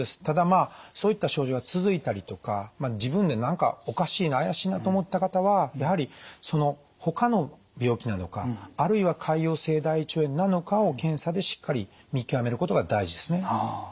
ただまあそういった症状が続いたりとか自分で何かおかしいな怪しいなと思った方はやはりその他の病気なのかあるいは潰瘍性大腸炎なのかを検査でしっかり見極めることが大事ですね。